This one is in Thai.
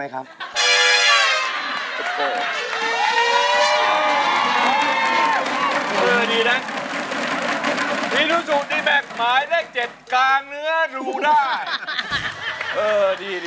เออดี